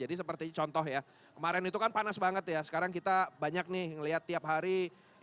jadi seperti contoh ya kemaren itu kan panas banget ya sekarang kita banyak nih ngelihat tiap hari indonesia itu dilakukan